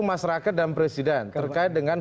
masyarakat dan presiden terkait dengan